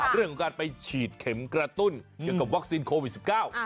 เรื่องของการไปฉีดเข็มกระตุ้นเกี่ยวกับวัคซีนโควิดสิบเก้า